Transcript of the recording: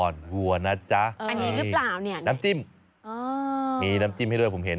น้ำจิ้มมีน้ำจิ้มให้ด้วยผมเห็น